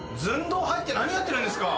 どう入って何やってるんですか？